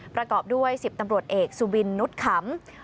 ประกอบด้วย๑๐ตำรวจเอกสุบินนุษย์ขำ